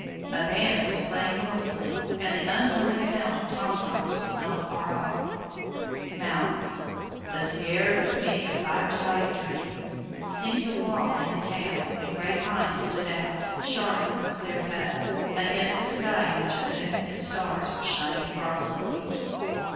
A band was playing noisily, and the unholy sound of tom toms was not far off. Mountains the Sierras of many a fireside dream seemed to wall in the town, and great pines stood out, sharp and clear cut, against a sky in which a moon and stars were shining frostily.